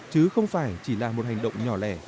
chứ không phải chỉ là một hành động nhỏ lẻ